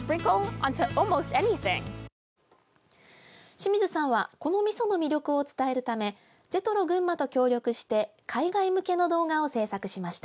清水さんはこのみその魅力を伝えるためジェトロ群馬と協力して海外向けの動画を制作しました。